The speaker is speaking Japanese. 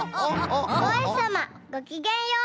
おうひさまごきげんよう！